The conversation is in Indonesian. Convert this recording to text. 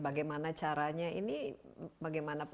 bagaimana caranya ini bagaimana pak